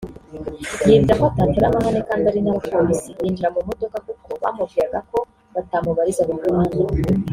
yibwira ko atatera amahane kandi ari n’abapolisi yinjira mu modoka kuko bamubwiraga ko batamubariza mu muhanda